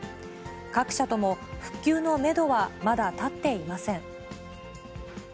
各社とも復旧のメドはまだ立っていません。